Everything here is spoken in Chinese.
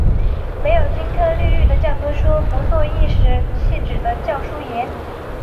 没有金科绿玉的教科书，不做颐使气指的教师爷